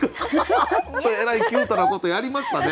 どえらいキュートなことやりましたね。